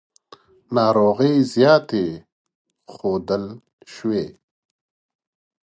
ناروغۍ زیاتې ښودل شوې.